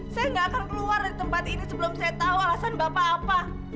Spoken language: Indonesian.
saya nggak akan keluar dari tempat ini sebelum saya tahu alasan bapak apa